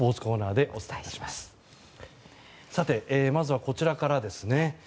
では、まずはこちらからです。